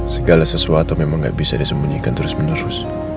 segala sesuatu memang gak bisa disembunyikan terus menerus